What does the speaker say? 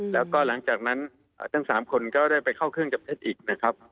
แล้วก็หลังจากนั้นทั้ง๓คนก็ได้ไปเข้าเครื่องจับเท็จอีกนะครับ